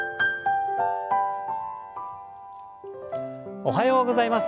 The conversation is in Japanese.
おはようございます。